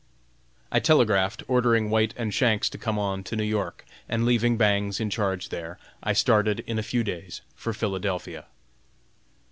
I telegraphed, ordering White and Shanks to come on to New York, and, leaving Bangs in charge there, I started in a few days for Philadelphia.